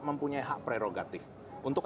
mempunyai hak prerogatif untuk